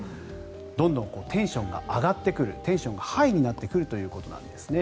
どんどんテンションが上がってくるテンションがハイになってくるということなんですね。